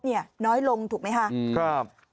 น้อยลงถูกไหมคะครับ